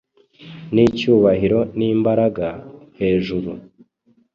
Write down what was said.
Nicyubahiro nimbaraga, hejuru